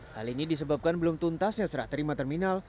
hal ini disebabkan belum tuntasnya serah terima terminal